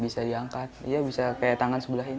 bisa diangkat iya bisa kayak tangan sebelah ini